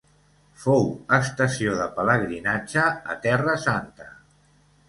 Fou estació de pelegrinatge a Terra Santa.